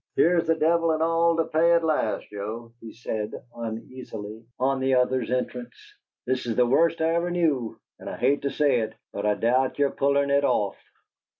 "Here's the devil and all to pay at last, Joe," he said, uneasily, on the other's entrance. "This is the worst I ever knew; and I hate to say it, but I doubt yer pullin' it off."